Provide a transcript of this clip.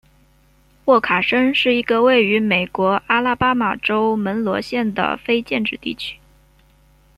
沃卡申是一个位于美国阿拉巴马州门罗县的非建制地区。